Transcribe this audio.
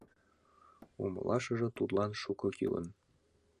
Умылашыже тудлан шуко кӱлын.